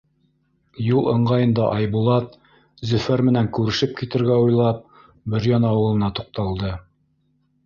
Юл ыңғайында Айбулат, Зөфәр менән күрешеп китергә уйлап, Бөрйән ауылына туҡталды.